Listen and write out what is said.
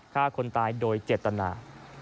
ฆ่าคนตายโดยเจตนา